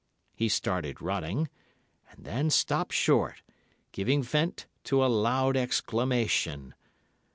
He started running, and then stopped short, giving vent to a loud exclamation.